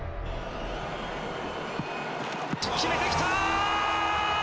決めてきた！